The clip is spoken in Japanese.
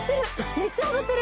めっちゃ踊ってる。